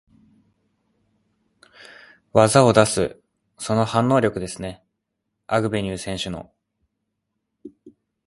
技を出す、その反応力ですね、アグベニュー選手の。